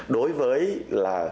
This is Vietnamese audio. đối với là